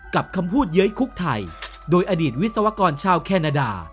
คำพูดเย้ยคุกไทยโดยอดีตวิศวกรชาวแคนาดา